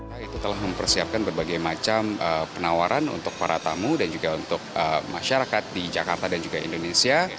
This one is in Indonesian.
nah itu telah mempersiapkan berbagai macam penawaran untuk para tamu dan juga untuk masyarakat di jakarta dan juga indonesia